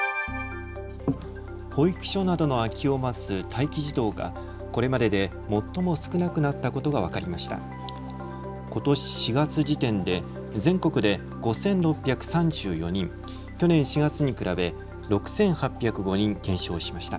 保育所などの空きを待つ待機児童がこれまでで最も少なくなったことが分かりました。